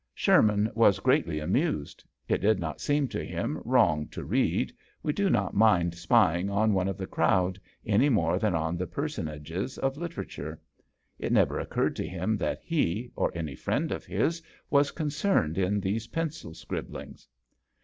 Sherman was greatly amused. It did not seem to him wrong to read we do not mind spying on one of the crowd, any more than on the personages of litera ture. It never occurred to him that he, or any friend of his, was concerned in these pencil scrib blings.